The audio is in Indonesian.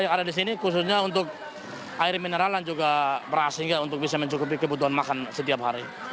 yang ada di sini khususnya untuk air mineral dan juga beras sehingga untuk bisa mencukupi kebutuhan makan setiap hari